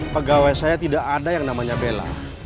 pegawai saya tidak ada yang namanya bela